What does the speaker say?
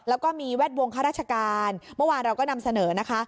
แล้วก็มีแวดวงข้าราชการเมื่อวานเราก็นำเสนอนะคะ